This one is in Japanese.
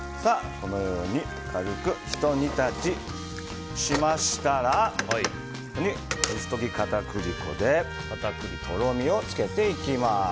このように軽くひと煮立ちしましたらここに水溶き片栗粉でとろみをつけていきます。